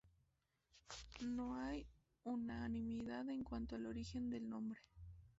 No hay unanimidad en cuanto al origen del nombre.